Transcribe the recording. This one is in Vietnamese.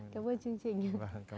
cám ơn anh